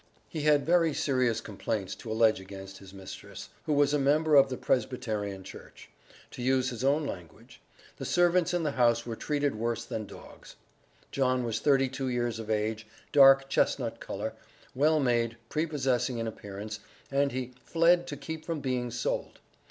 He had very serious complaints to allege against his mistress, "who was a member of the Presbyterian Church." To use his own language, "the servants in the house were treated worse than dogs." John was thirty two years of age, dark chestnut color, well made, prepossessing in appearance, and he "fled to keep from being sold."